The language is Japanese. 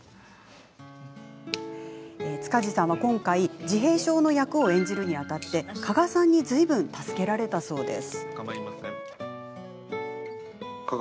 塚地さんは今回自閉症の役を演じるにあたって加賀さんにずいぶん助けられたそうです。